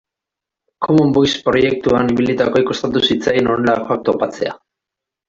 Common Voice proiektuan ibilitakoei kostatu zitzaien honelakoak topatzea.